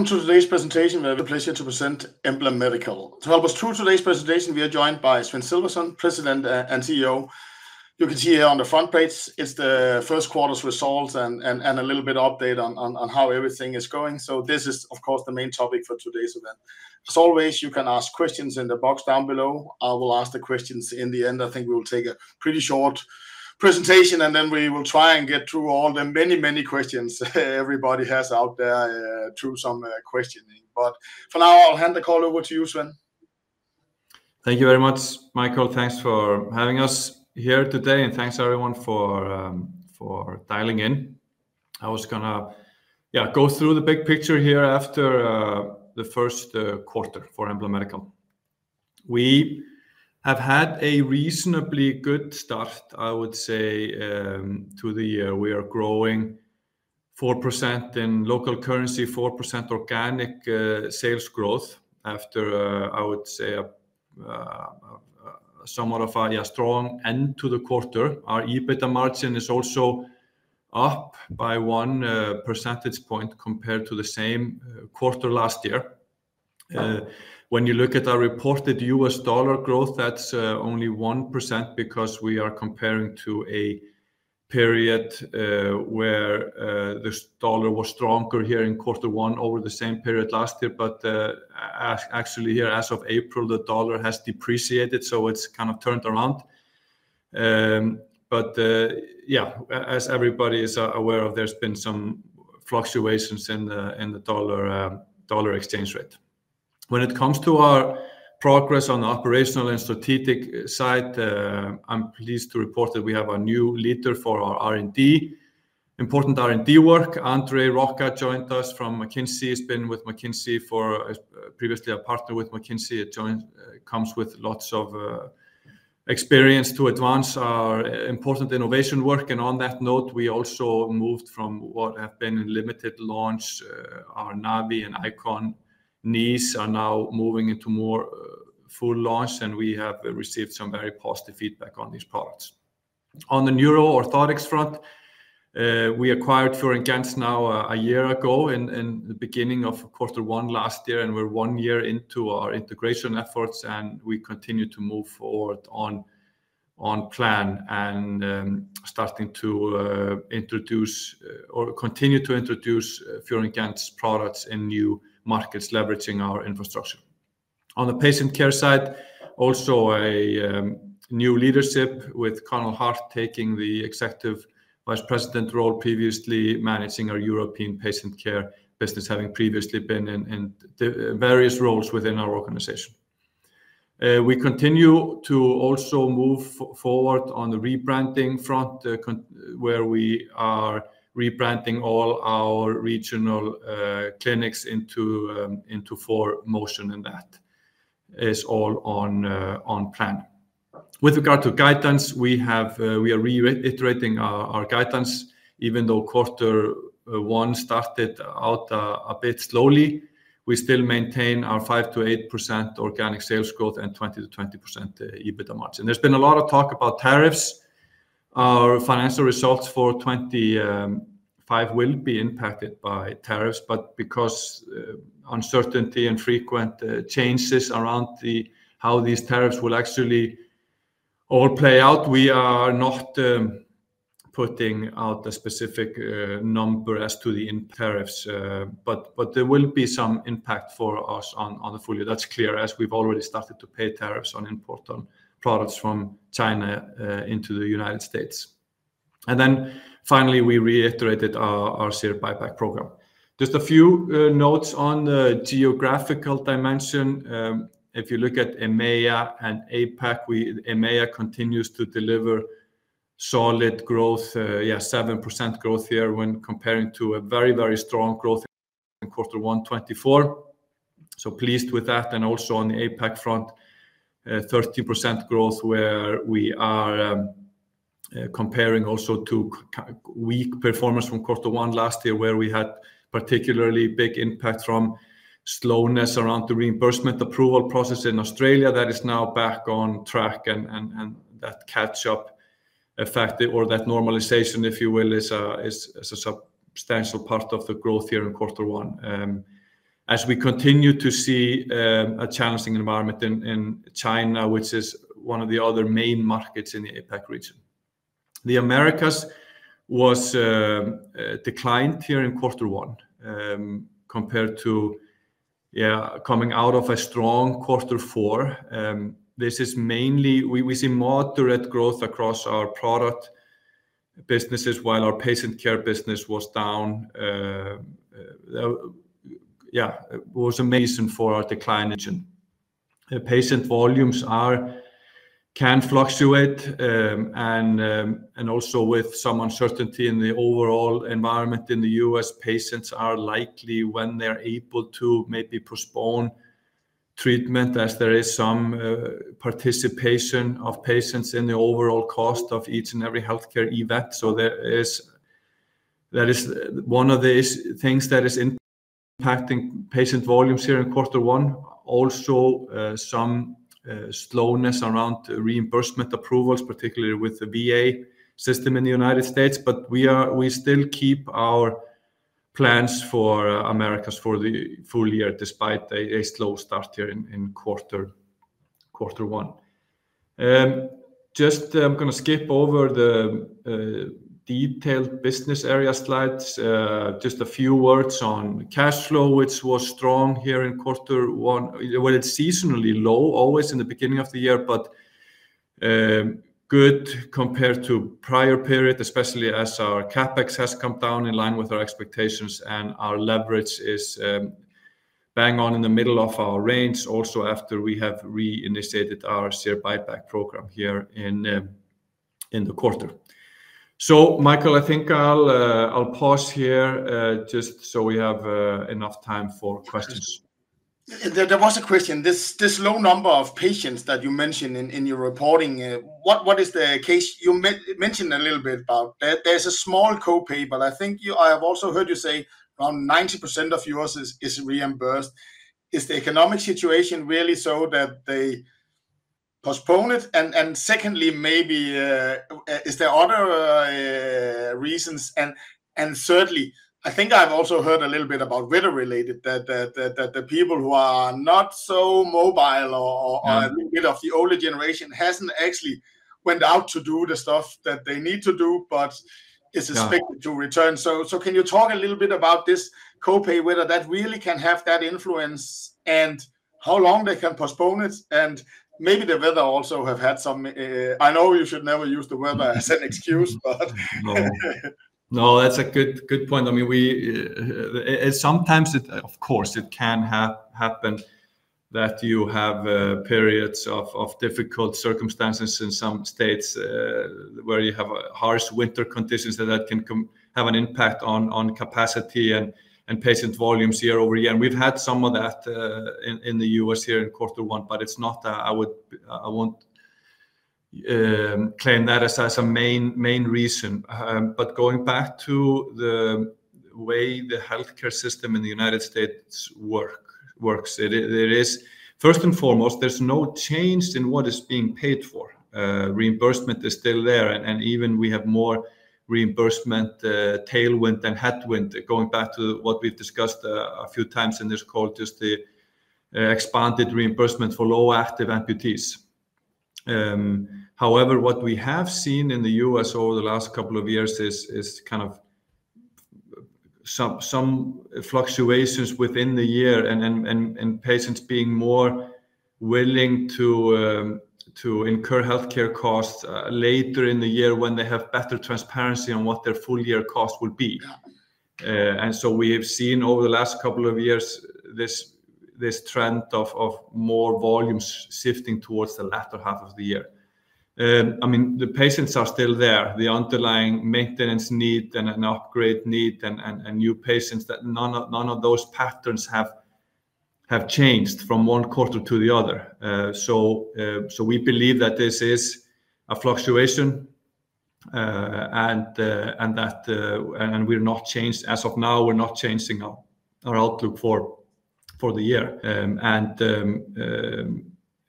Welcome to today's presentation. We have the pleasure to present Embla Medical. To help us through today's presentation, we are joined by Sveinn Sölvason, President and CEO. You can see here on the front page, it's the first quarter's results and a little bit of update on how everything is going. This is, of course, the main topic for today's event. As always, you can ask questions in the box down below. I will ask the questions in the end. I think we will take a pretty short presentation, and then we will try and get through all the many, many questions everybody has out there through some questioning. For now, I'll hand the call over to you, Sveinn. Thank you very much, Michael. Thanks for having us here today, and thanks everyone for dialing in. I was going to go through the big picture here after the first quarter for Embla Medical. We have had a reasonably good start, I would say, to the year; we are growing 4% in local currency, 4% organic sales growth after, I would say, somewhat of a strong end to the quarter. Our EBITDA margin is also up by one percentage point compared to the same quarter last year. When you look at our reported US dollar growth, that's only 1% because we are comparing to a period where the dollar was stronger here in quarter one over the same period last year. Actually, here as of April, the dollar has depreciated, so it's kind of turned around. Yeah, as everybody is aware of, there's been some fluctuations in the dollar exchange rate. When it comes to our progress on the operational and strategic side, I'm pleased to report that we have a new leader for our R&D, important R&D work. András Róka joins us from McKinsey. He's been with McKinsey, previously a partner with McKinsey. He comes with lots of experience to advance our important innovation work. On that note, we also moved from what have been limited launch; our Novi and Icon knees are now moving into more full launch, and we have received some very positive feedback on these products. On the neuroorthotics front, we acquired Fior & Gentz now a year ago in the beginning of quarter one last year, and we're one year into our integration efforts, and we continue to move forward on plan and starting to introduce or continue to introduce Fior & Gentz's products in new markets leveraging our infrastructure. On the patient care side, also a new leadership with Conal Harte taking the Executive Vice President role previously, managing our European patient care business, having previously been in various roles within our organization. We continue to also move forward on the rebranding front, where we are rebranding all our regional clinics into ForMotion, and that is all on plan. With regard to guidance, we are reiterating our guidance. Even though quarter one started out a bit slowly, we still maintain our 5%-8% organic sales growth and 19-20% EBITDA margin. There's been a lot of talk about tariffs. Our financial results for 2025 will be impacted by tariffs, but because of uncertainty and frequent changes around how these tariffs will actually all play out, we are not putting out a specific number as to the tariffs. There will be some impact for us on the full year. That's clear as we've already started to pay tariffs on imported products from China into the United States. Finally, we reiterated our share buyback program. Just a few notes on the geographical dimension. If you look at EMEA and APAC, EMEA continues to deliver solid growth, yeah, 7% growth here when comparing to a very, very strong growth in quarter 1 '24. So pleased with that. Also on the APAC front, 30% growth where we are comparing also to weak performance from quarter one last year where we had particularly big impact from slowness around the reimbursement approval process in Australia. That is now back on track, and that catch-up effect or that normalization, if you will, is a substantial part of the growth here in quarter one as we continue to see a challenging environment in China, which is one of the other main markets in the APAC region. The Americas was declined here in quarter one compared to, yeah, coming out of a strong quarter four. This is mainly we see moderate growth across our product businesses while our patient care business was down. Yeah, it was a reason for our decline. Region. Patient volumes can fluctuate, and also with some uncertainty in the overall environment in the U.S., patients are likely, when they're able to, maybe postpone treatment as there is some participation of patients in the overall cost of each and every healthcare event. That is one of the things that is impacting patient volumes here in quarter one. Also some slowness around reimbursement approvals, particularly with the VA system in the United States. We still keep our plans for Americas for the full year despite a slow start here in quarter one. I'm going to skip over the detailed business area slides. Just a few words on cash flow, which was strong here in quarter one. It is seasonally low always in the beginning of the year, but good compared to prior period, especially as our CapEx has come down in line with our expectations and our leverage is bang on in the middle of our range also after we have reinitiated our share buyback program here in the quarter. Michael, I think I'll pause here just so we have enough time for questions. There was a question. This low number of patients that you mentioned in your reporting, what is the case? You mentioned a little bit about that there's a small copay, but I think I have also heard you say around 90% of yours is reimbursed. Is the economic situation really so that they postpone it? Secondly, maybe is there other reasons? Thirdly, I think I've also heard a little bit about weather-related that the people who are not so mobile or a bit of the older generation hasn't actually went out to do the stuff that they need to do, but it's expected to return. Can you talk a little bit about this copay, whether that really can have that influence and how long they can postpone it? Maybe the weather also has had some. I know you should never use the weather as an excuse, but. No, that's a good point. I mean, sometimes, of course, it can happen that you have periods of difficult circumstances in some states where you have harsh winter conditions that can have an impact on capacity and patient volumes year over year. We have had some of that in the U.S. here in quarter one, but it's not that I would claim that as a main reason. Going back to the way the healthcare system in the United States works, first and foremost, there's no change in what is being paid for. Reimbursement is still there, and even we have more reimbursement tailwind than headwind going back to what we've discussed a few times in this call, just the expanded reimbursement for low active amputees. However, what we have seen in the US over the last couple of years is kind of some fluctuations within the year and patients being more willing to incur healthcare costs later in the year when they have better transparency on what their full year cost will be. We have seen over the last couple of years this trend of more volumes shifting towards the latter half of the year. I mean, the patients are still there. The underlying maintenance need and an upgrade need and new patients, none of those patterns have changed from one quarter to the other. We believe that this is a fluctuation and that we're not changed. As of now, we're not changing our outlook for the year.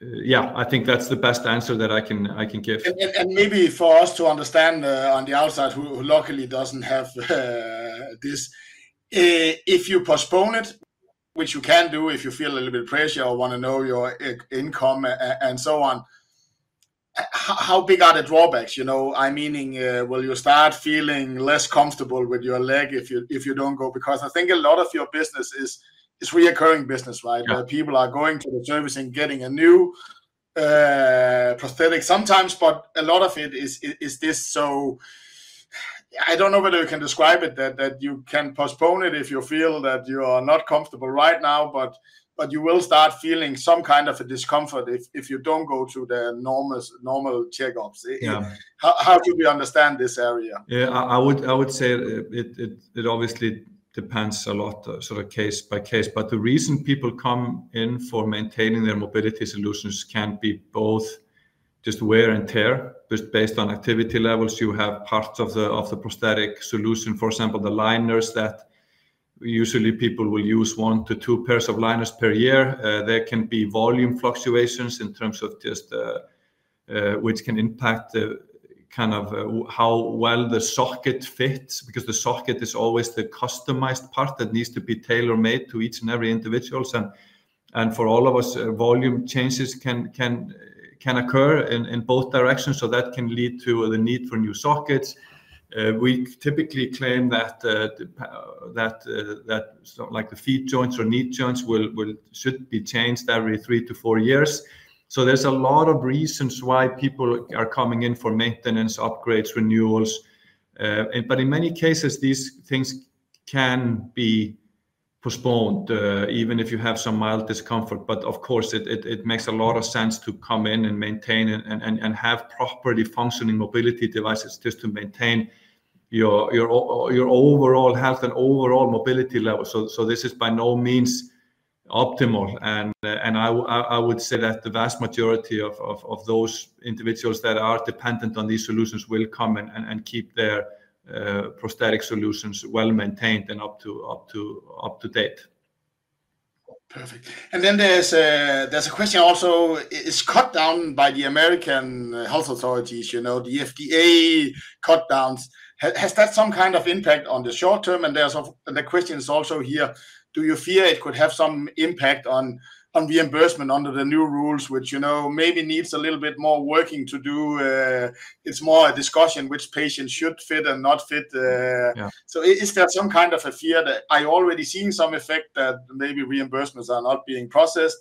Yeah, I think that's the best answer that I can give. Maybe for us to understand on the outside, who luckily does not have this, if you postpone it, which you can do if you feel a little bit of pressure or want to know your income and so on, how big are the drawbacks? You know, I mean, will you start feeling less comfortable with your leg if you do not go? Because I think a lot of your business is recurring business, right? People are going to the service and getting a new prosthetic sometimes, but a lot of it is this so I do not know whether you can describe it that you can postpone it if you feel that you are not comfortable right now, but you will start feeling some kind of a discomfort if you do not go to the normal checkups. How do we understand this area? Yeah, I would say it obviously depends a lot, sort of case by case. The reason people come in for maintaining their mobility solutions can be both just wear and tear. Just based on activity levels, you have parts of the prosthetic solution. For example, the liners that usually people will use one to two pairs of liners per year. There can be volume fluctuations in terms of just which can impact kind of how well the socket fits because the socket is always the customized part that needs to be tailor-made to each and every individual. For all of us, volume changes can occur in both directions, so that can lead to the need for new sockets. We typically claim that like the feet joints or knee joints should be changed every three to four years. There are a lot of reasons why people are coming in for maintenance, upgrades, renewals. In many cases, these things can be postponed even if you have some mild discomfort. Of course, it makes a lot of sense to come in and maintain and have properly functioning mobility devices just to maintain your overall health and overall mobility level. This is by no means optimal. I would say that the vast majority of those individuals that are dependent on these solutions will come and keep their prosthetic solutions well maintained and up to date. Perfect. There is a question also, it is cut down by the American health authorities, you know, the FDA cut downs. Has that some kind of impact on the short term? The question is also here, do you fear it could have some impact on reimbursement under the new rules, which maybe needs a little bit more working to do? It is more a discussion which patients should fit and not fit. Is there some kind of a fear that I already seen some effect that maybe reimbursements are not being processed?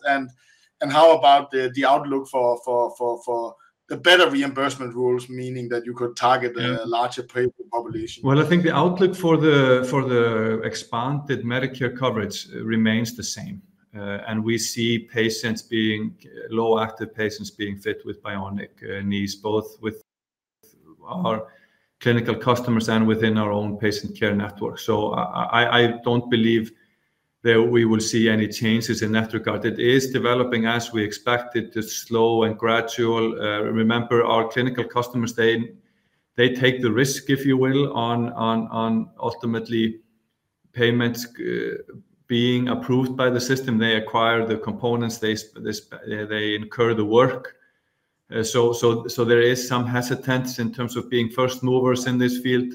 How about the outlook for the better reimbursement rules, meaning that you could target a larger population? I think the outlook for the expanded Medicare coverage remains the same. We see patients, low active patients, being fit with Bionic knees, both with our clinical customers and within our own patient care network. I do not believe that we will see any changes in that regard. It is developing as we expect it to, slow and gradual. Remember, our clinical customers take the risk, if you will, on ultimately payments being approved by the system. They acquire the components, they incur the work. There is some hesitance in terms of being first movers in this field.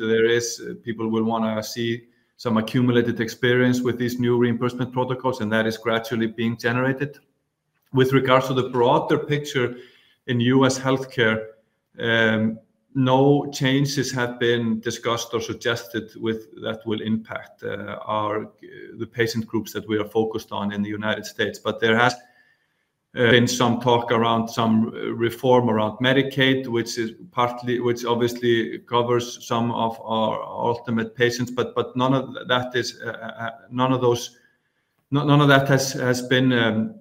People will want to see some accumulated experience with these new reimbursement protocols, and that is gradually being generated. With regards to the broader picture in U.S. healthcare, no changes have been discussed or suggested that will impact the patient groups that we are focused on in the United States. There has been some talk around some reform around Medicaid, which obviously covers some of our ultimate patients. None of that has been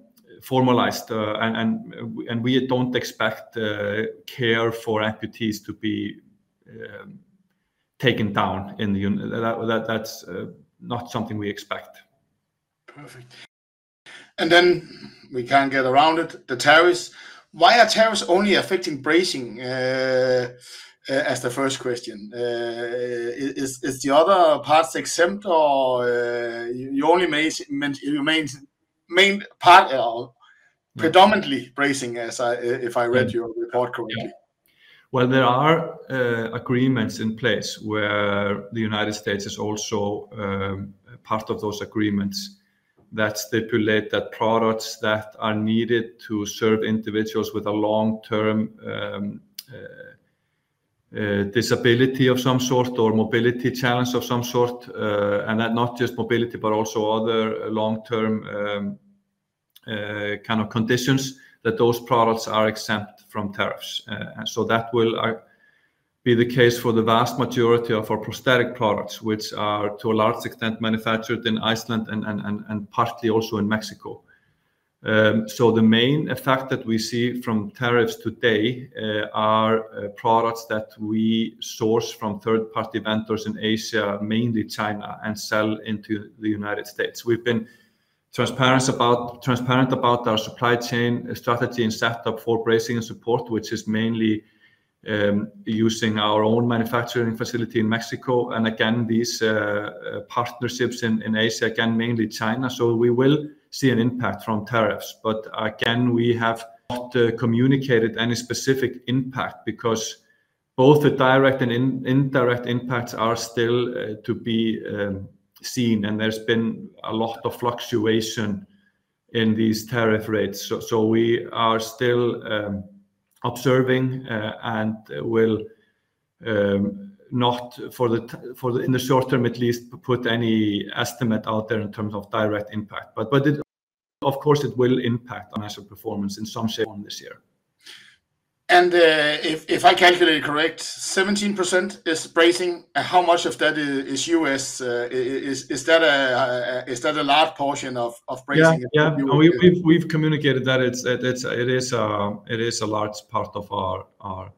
formalized, and we do not expect care for amputees to be taken down. That is not something we expect. Perfect. We can't get around it, the tariffs. Why are tariffs only affecting bracing as the first question? Is the other part exempt or your main part predominantly bracing if I read your report correctly? There are agreements in place where the United States is also part of those agreements that stipulate that products that are needed to serve individuals with a long-term disability of some sort or mobility challenge of some sort, and not just mobility, but also other long-term kind of conditions, that those products are exempt from tariffs. That will be the case for the vast majority of our prosthetic products, which are to a large extent manufactured in Iceland and partly also in Mexico. The main effect that we see from tariffs today are products that we source from third-party vendors in Asia, mainly China, and sell into the United States. We have been transparent about our supply chain strategy and setup for bracing and support, which is mainly using our own manufacturing facility in Mexico. These partnerships in Asia, again, mainly China. We will see an impact from tariffs. Again, we have not communicated any specific impact because both the direct and indirect impacts are still to be seen. There has been a lot of fluctuation in these tariff rates. We are still observing and will not, in the short term at least, put any estimate out there in terms of direct impact. Of course, it will impact financial performance in some shape this year. If I calculate it correct, 17% is bracing. How much of that is US? Is that a large portion of bracing? Yeah, we've communicated that it is a large part of our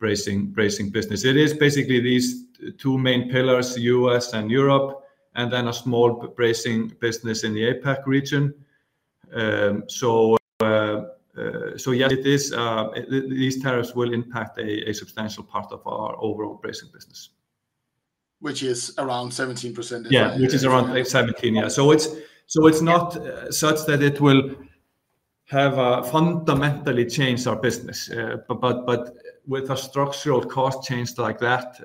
bracing business. It is basically these two main pillars, US and Europe, and then a small bracing business in the APAC region. Yes, these tariffs will impact a substantial part of our overall bracing business. Which is around 17%. Yeah, which is around 17%. Yeah. It is not such that it will have fundamentally changed our business. With a structural cost change like that,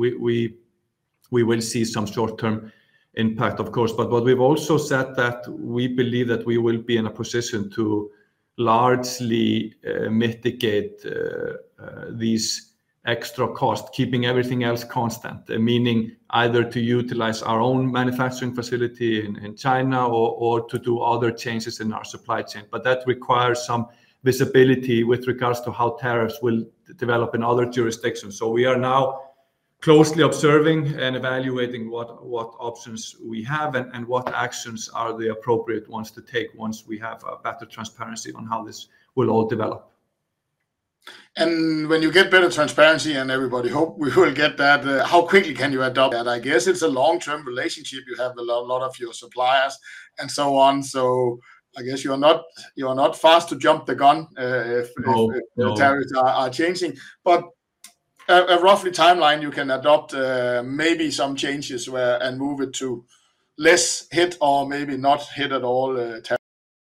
we will see some short-term impact, of course. What we have also said is that we believe we will be in a position to largely mitigate these extra costs, keeping everything else constant, meaning either to utilize our own manufacturing facility in China or to do other changes in our supply chain. That requires some visibility with regards to how tariffs will develop in other jurisdictions. We are now closely observing and evaluating what options we have and what actions are the appropriate ones to take once we have better transparency on how this will all develop. When you get better transparency and everybody hopes we will get that, how quickly can you adopt that? I guess it's a long-term relationship. You have a lot of your suppliers and so on. I guess you are not fast to jump the gun if the tariffs are changing. A roughly timeline, you can adopt maybe some changes and move it to less hit or maybe not hit at all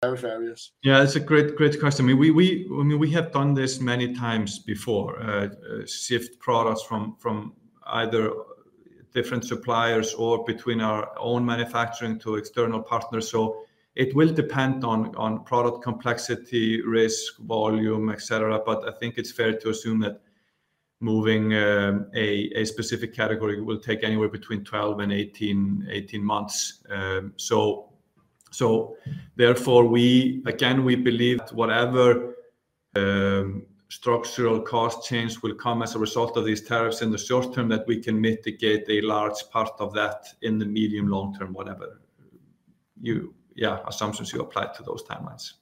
tariff areas. Yeah, that's a great question. I mean, we have done this many times before, shift products from either different suppliers or between our own manufacturing to external partners. It will depend on product complexity, risk, volume, etc. I think it's fair to assume that moving a specific category will take anywhere between 12 and 18 months. Therefore, again, we believe that whatever structural cost change will come as a result of these tariffs in the short term, we can mitigate a large part of that in the medium, long term, whatever assumptions you apply to those timelines.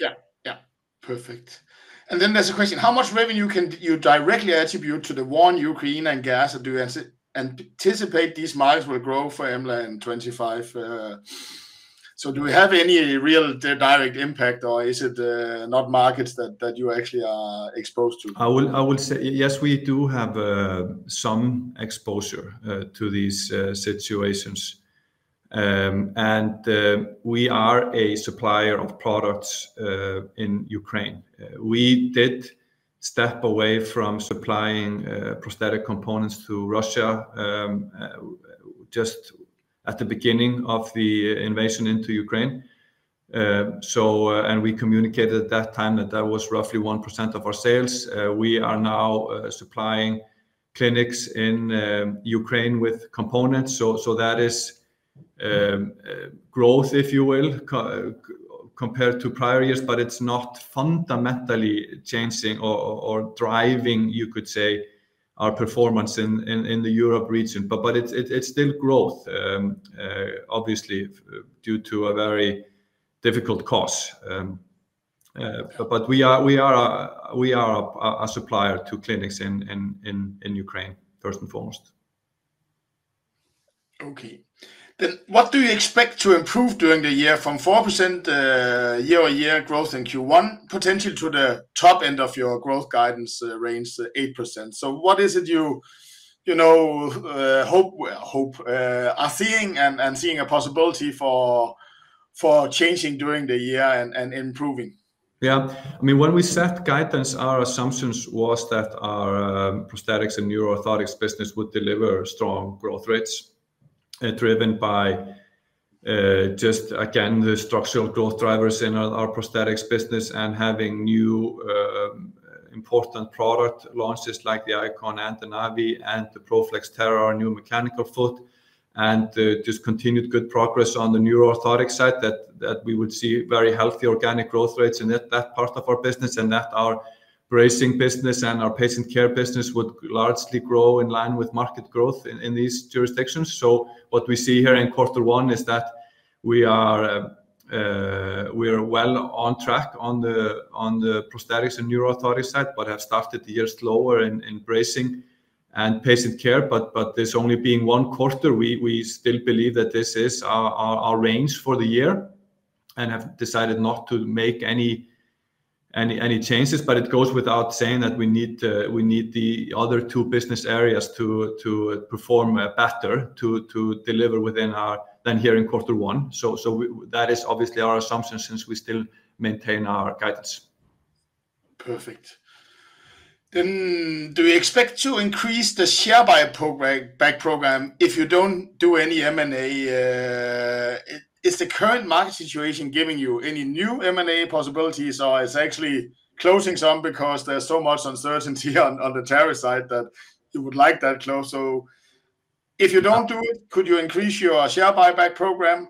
Yeah, yeah. Perfect. There is a question. How much revenue can you directly attribute to the war in Ukraine and Gaza? Do you anticipate these markets will grow for Embla in 2025? Do we have any real direct impact or is it not markets that you actually are exposed to? I will say, yes, we do have some exposure to these situations. We are a supplier of products in Ukraine. We did step away from supplying prosthetic components to Russia just at the beginning of the invasion into Ukraine. We communicated at that time that that was roughly 1% of our sales. We are now supplying clinics in Ukraine with components. That is growth, if you will, compared to prior years, but it is not fundamentally changing or driving, you could say, our performance in the Europe region. It is still growth, obviously, due to a very difficult cost. We are a supplier to clinics in Ukraine, first and foremost. Okay. What do you expect to improve during the year from 4% year-on-year growth in Q1 potential to the top end of your growth guidance range, 8%? What is it you hope are seeing and seeing a possibility for changing during the year and improving? Yeah. I mean, when we set guidance, our assumptions were that our prosthetics and neuroorthotics business would deliver strong growth rates driven by just, again, the structural growth drivers in our prosthetics business and having new important product launches like the Icon and the Novi and the Pro-Flex Torsion new mechanical foot. Just continued good progress on the neuroorthotic side that we would see very healthy organic growth rates in that part of our business and that our bracing business and our patient care business would largely grow in line with market growth in these jurisdictions. What we see here in quarter one is that we are well on track on the prosthetics and neuroorthotic side, but have started the year slower in bracing and patient care. There's only been one quarter. We still believe that this is our range for the year and have decided not to make any changes. It goes without saying that we need the other two business areas to perform better to deliver within our then here in quarter one. That is obviously our assumption since we still maintain our guidance. Perfect. Do we expect to increase the share buyback program if you do not do any M&A? Is the current market situation giving you any new M&A possibilities or is it actually closing some because there is so much uncertainty on the tariff side that you would like that closed? If you do not do it, could you increase your share buyback program?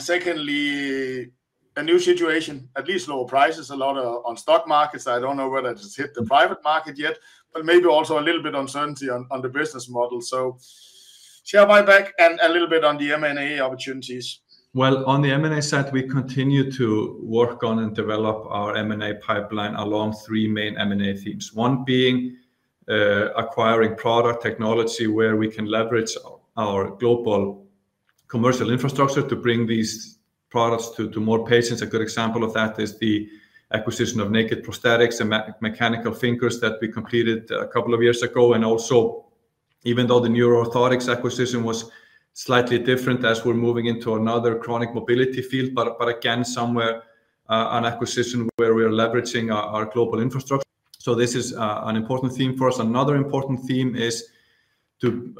Secondly, a new situation, at least lower prices a lot on stock markets. I do not know whether it has hit the private market yet, but maybe also a little bit uncertainty on the business model. Share buyback and a little bit on the M&A opportunities. On the M&A side, we continue to work on and develop our M&A pipeline along three main M&A themes. One being acquiring product technology where we can leverage our global commercial infrastructure to bring these products to more patients. A good example of that is the acquisition of Naked Prosthetics and mechanical fingers that we completed a couple of years ago. Also, even though the neuroorthotics acquisition was slightly different as we're moving into another chronic mobility field, again, somewhere on acquisition where we are leveraging our global infrastructure. This is an important theme for us. Another important theme is to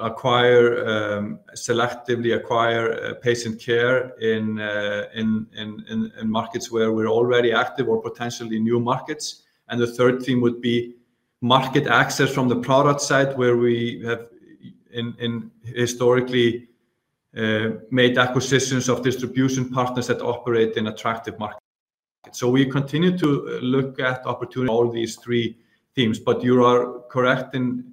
selectively acquire patient care in markets where we're already active or potentially new markets. The third theme would be market access from the product side where we have historically made acquisitions of distribution partners that operate in attractive markets. We continue to look at opportunity in all these three themes. You are correct in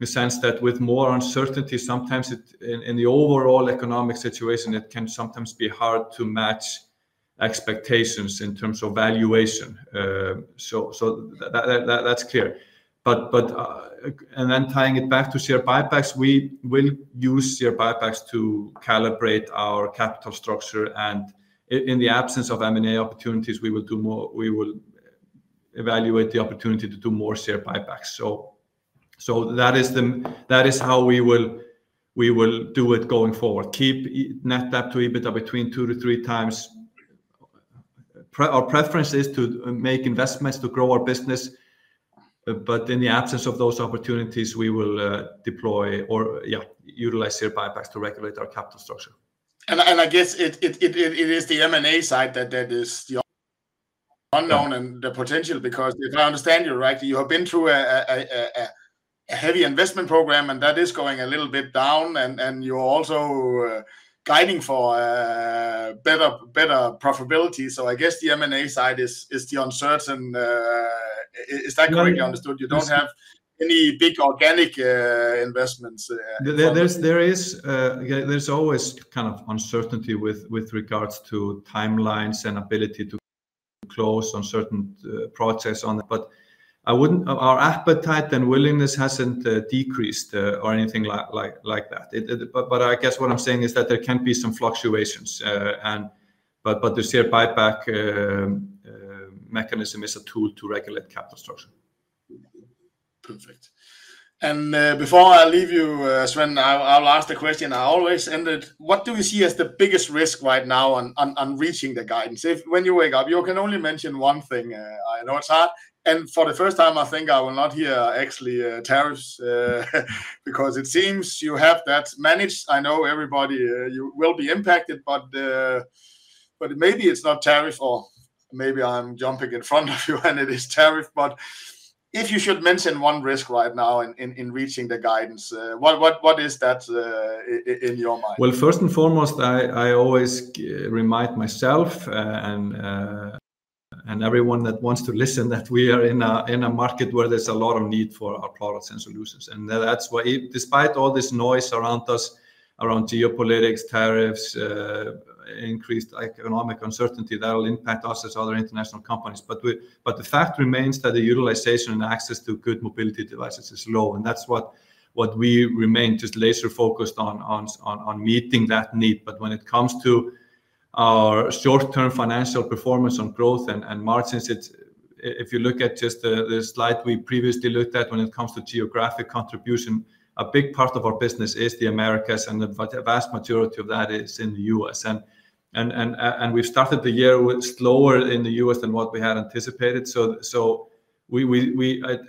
the sense that with more uncertainty, sometimes in the overall economic situation, it can sometimes be hard to match expectations in terms of valuation. That is clear. Then tying it back to share buybacks, we will use share buybacks to calibrate our capital structure. In the absence of M&A opportunities, we will evaluate the opportunity to do more share buybacks. That is how we will do it going forward. Keep net debt to EBITDA between 2-3 times. Our preference is to make investments to grow our business. In the absence of those opportunities, we will deploy or utilize share buybacks to regulate our capital structure. I guess it is the M&A side that is the unknown and the potential because if I understand you right, you have been through a heavy investment program and that is going a little bit down and you're also guiding for better profitability. I guess the M&A side is the uncertain. Is that correctly understood? You don't have any big organic investments. There is always kind of uncertainty with regards to timelines and ability to close on certain projects. Our appetite and willingness has not decreased or anything like that. I guess what I am saying is that there can be some fluctuations. The share buyback mechanism is a tool to regulate capital structure. Perfect. Before I leave you, Sveinn, I'll ask the question I always end with. What do you see as the biggest risk right now on reaching the guidance? When you wake up, you can only mention one thing. I know it's hard. For the first time, I think I will not hear actually tariffs because it seems you have that managed. I know everybody will be impacted, but maybe it's not tariff or maybe I'm jumping in front of you and it is tariff. If you should mention one risk right now in reaching the guidance, what is that in your mind? First and foremost, I always remind myself and everyone that wants to listen that we are in a market where there's a lot of need for our products and solutions. That is why, despite all this noise around us, around geopolitics, tariffs, increased economic uncertainty, that will impact us as other international companies. The fact remains that the utilization and access to good mobility devices is low. That is what we remain just laser-focused on, meeting that need. When it comes to our short-term financial performance on growth and margins, if you look at just the slide we previously looked at when it comes to geographic contribution, a big part of our business is the Americas and the vast majority of that is in the US. We have started the year slower in the US than what we had anticipated. It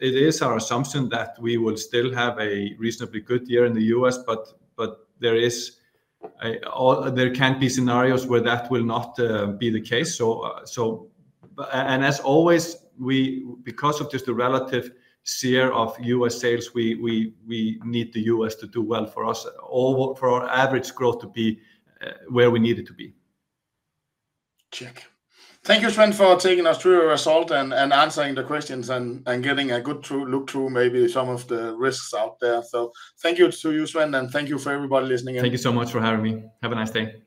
is our assumption that we will still have a reasonably good year in the U.S., but there can be scenarios where that will not be the case. As always, because of just the relative share of U.S. sales, we need the U.S. to do well for us, for our average growth to be where we need it to be. Check. Thank you, Sveinn, for taking us through your result and answering the questions and getting a good look through maybe some of the risks out there. Thank you to you, Sveinn, and thank you for everybody listening. Thank you so much for having me. Have a nice day.